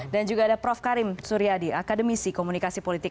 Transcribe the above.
dan juga ada prof karim suryadi akademisi komunikasi politik